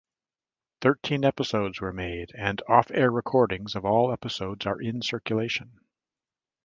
Thirteen episodes were made and off-air recordings of all episodes are in circulation.